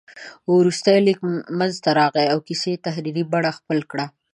وروسته لیک منځته راغی او کیسو تحریري بڼه خپله کړه.